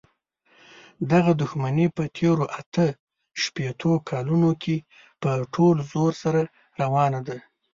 دغه دښمني په تېرو اته شپېتو کالونو کې په ټول زور سره روانه ده.